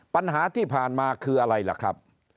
ปัญหาที่ผ่านมาคืออะไรล่ะครับ